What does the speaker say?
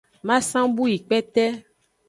Masan bu yi kpete.